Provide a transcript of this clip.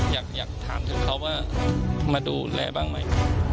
อยากถามถึงเขาว่ามาดูแลบ้างไหม